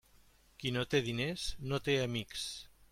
Qui no té diners, no té amics.